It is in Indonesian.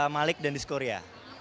malik dan disko ria